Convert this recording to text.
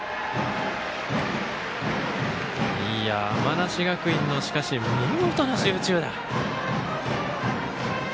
山梨学院の見事な集中打。